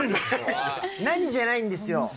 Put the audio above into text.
何じゃないんですよ。